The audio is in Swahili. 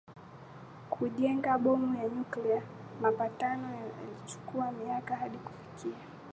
kujenga bomu ya nyuklia Mapatano yalichukua miaka hadi kufikiwa